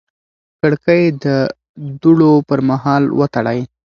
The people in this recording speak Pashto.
کړکۍ د دوړو پر مهال وتړئ.